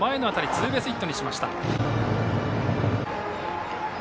ツーベースヒットにしました。